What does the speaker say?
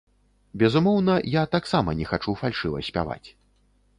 Безумоўна, я таксама не хачу фальшыва спяваць.